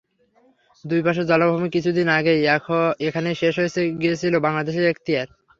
দুই পাশে জলাভূমি, কিছুদিন আগেই এখানেই শেষ হয়ে গিয়েছিল বাংলাদেশের এখতিয়ার।